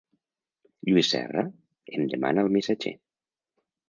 Lluís Serra? —em demana el missatger.